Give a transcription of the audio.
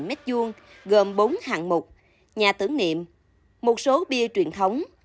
khu tưởng niệm bắc hồ nhà tưởng niệm một số bia truyền thống